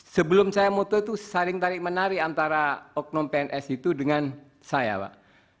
sebelum saya moto itu saling tarik menarik antara oknum pns itu dengan saya pak